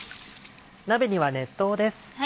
鍋には熱湯です。